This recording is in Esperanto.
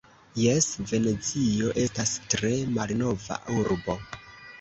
Jes, Venezio estas tre malnova urbo.